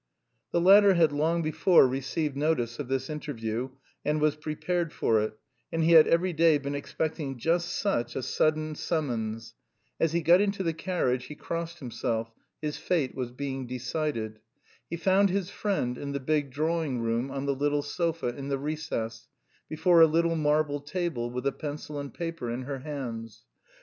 The latter had long before received notice of this interview and was prepared for it, and he had every day been expecting just such a sudden summons. As he got into the carriage he crossed himself: his fate was being decided. He found his friend in the big drawing room on the little sofa in the recess, before a little marble table with a pencil and paper in her hands.